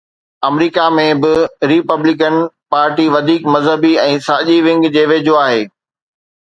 آمريڪا ۾ به Republican party وڌيڪ مذهبي ۽ ساڄي ونگ جي ويجهو آهي.